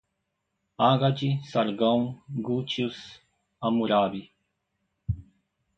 Ágade, Sargão, gútios, Hamurábi